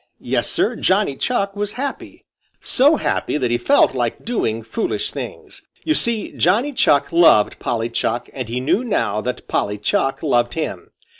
Yes, Sir, Johnny Chuck was happy so happy that he felt like doing foolish things. You see Johnny Chuck loved Polly Chuck and he knew now that Polly Chuck loved him.